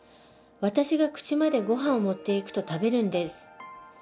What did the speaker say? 私が口までごはんを持っていくと食べるんです。